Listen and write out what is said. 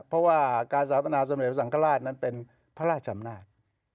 เพราะว่าการสถาปนาสมเด็จพระสังฆราชนั้นเป็นพระราชอำนาจ